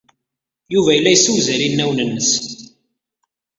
Yuba yella yessewzal inawen-nnes.